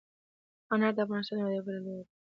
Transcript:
انار د افغانستان هېواد یوه بله لویه طبیعي ځانګړتیا ده.